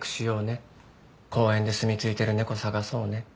公園ですみ着いてる猫探そうね。